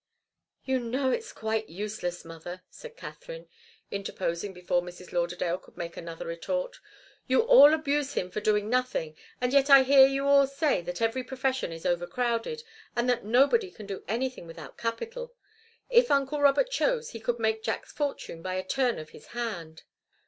"You know it's quite useless, mother," said Katharine, interposing before Mrs. Lauderdale could make another retort. "You all abuse him for doing nothing, and yet I hear you all say that every profession is overcrowded, and that nobody can do anything without capital. If uncle Robert chose, he could make Jack's fortune by a turn of his hand."